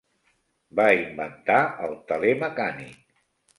Va inventar el teler mecànic.